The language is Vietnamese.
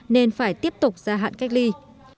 nên phải tiếp tục gia hạn cách ly